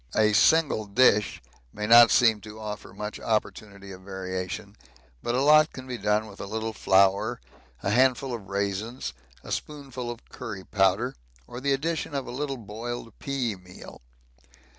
A single dish may not seem to offer much opportunity of variation, but a lot can be done with a little flour, a handful of raisins, a spoonful of curry powder, or the addition of a little boiled pea meal.